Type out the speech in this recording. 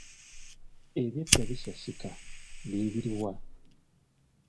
Ebyedda bisasika bye biruwa?